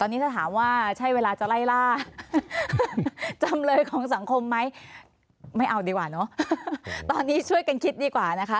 ตอนนี้ถ้าถามว่าใช่เวลาจะไล่ล่าจำเลยของสังคมไหมไม่เอาดีกว่าเนอะตอนนี้ช่วยกันคิดดีกว่านะคะ